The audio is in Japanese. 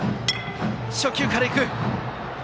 初球からいく。